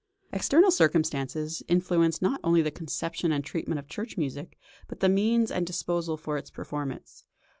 External circumstances influenced not only the conception and treatment of church music, but the means at disposal for its performance.